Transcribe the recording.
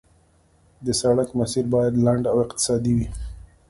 د سړک مسیر باید لنډ او اقتصادي وي